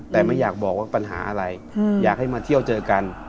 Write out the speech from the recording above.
แต่ไม่อยากบอกว่าปัญหาอะไรอยากให้มาเที่ยวเจอกัน